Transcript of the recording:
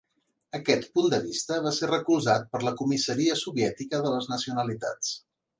Aquest punt de vista va ser recolzat per la comissaria Soviètica de les nacionalitats.